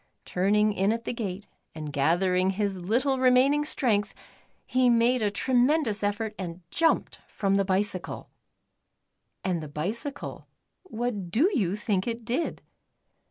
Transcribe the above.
Turning in at the gate, and gather ing his little remaining strength, he made a tre mendous effort and jumped from the bicycle. And the bicycle, what do you think it did